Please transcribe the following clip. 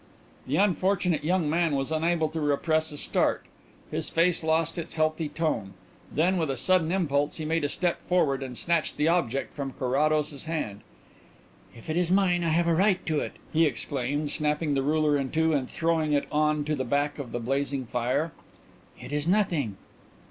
The unfortunate young man was unable to repress a start. His face lost its healthy tone. Then, with a sudden impulse, he made a step forward and snatched the object from Carrados's hand. "If it is mine I have a right to it," he exclaimed, snapping the ruler in two and throwing it on to the back of the blazing fire. "It is nothing."